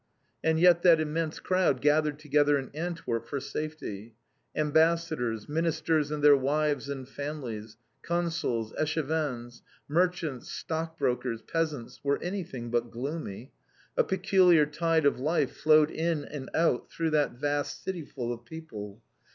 And yet, that immense crowd gathered together in Antwerp for safety, Ambassadors, Ministers and their wives and families, Consuls, Échevins, merchants, stockbrokers, peasants, were anything but gloomy. A peculiar tide of life flowed in and out through that vast cityful of people.